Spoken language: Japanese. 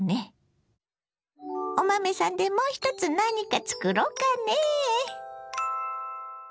お豆さんでもう一つ何か作ろうかねぇ。